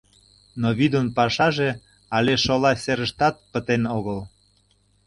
Но вӱдын пашаже але шола серыштат пытен огыл.